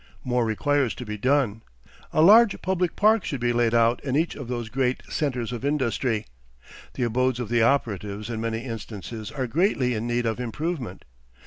More requires to be done. A large public park should be laid out in each of those great centres of industry. The abodes of the operatives in many instances are greatly in need of improvement.